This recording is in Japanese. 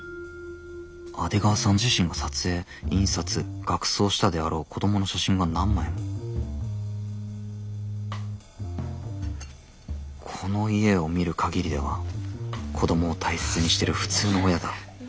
阿出川さん自身が撮影印刷額装したであろう子供の写真が何枚もこの家を見る限りでは子供を大切にしてる普通の親だ。